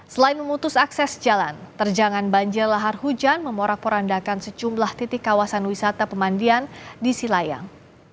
selain memutus akses jalan terjangan banjir lahar hujan memorak porandakan sejumlah titik kawasan wisata pemandian di silayang